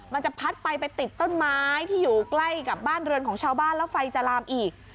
มันจะพัดไปไปติดต้นไม้ที่อยู่ใกล้กับบ้านเรือนของชาวบ้านแล้วไฟจะลามอีก